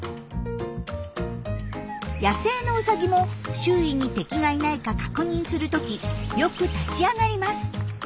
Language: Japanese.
野生のウサギも周囲に敵がいないか確認する時よく立ち上がります。